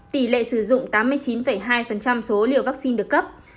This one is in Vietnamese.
tỷ lệ sử dụng tám mươi chín hai số liều vaccine được cấp